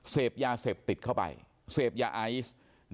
เสพยาเสพติดเข้าไปเสพยาไอซ์